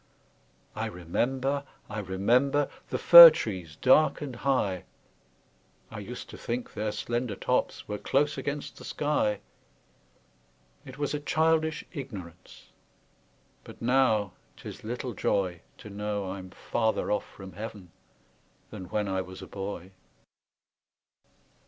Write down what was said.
I remember, I remember, The fir trees dark and high; I used to think their slender tops Were close against the sky: It was a childish ignorance, But now 'tis little joy To know I'm farther off from Heav'n Than when I was a boy.